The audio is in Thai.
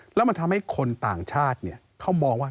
แล้วมันทำให้คนต่างชาติเขามองว่า